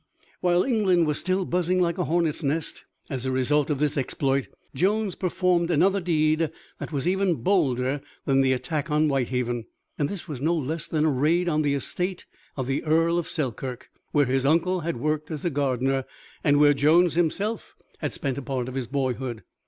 While England was still buzzing like a hornet's nest as a result of this exploit, Jones performed another deed that was even bolder than the attack on Whitehaven. This was no less than a raid on the estate of the Earl of Selkirk, where his uncle had worked as a gardener, and where Jones himself had spent a part of his boyhood.